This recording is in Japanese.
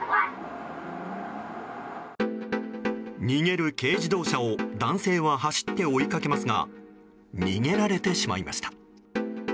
逃げる軽自動車を、男性は走って追いかけますが逃げられてしまいました。